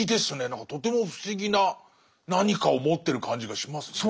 何かとても不思議な何かを持ってる感じがしますね。